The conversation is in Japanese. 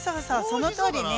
そのとおりね。